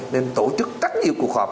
nên tổ chức tất nhiên cuộc họp